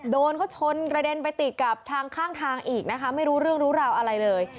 โดนเขาชนกระเด็นไปติดกับทางข้างทางอีกนะคะไม่รู้เรื่องรู้ราวอะไรเลย